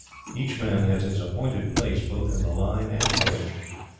Each man had his appointed place both in the line and wedge.